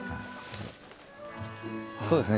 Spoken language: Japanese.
そうですね